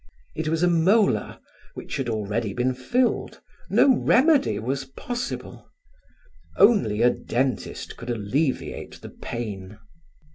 It was a molar which had already been filled; no remedy was possible. Only a dentist could alleviate the pain.